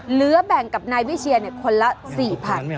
เหลือแบ่งกับนายวิเชียคนละ๔๐๐๐บาท